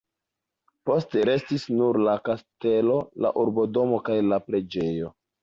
Postrestis nur la kastelo, la urbodomo kaj la preĝejo.